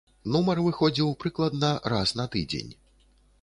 Нумар выходзіў прыкладна раз на тыдзень.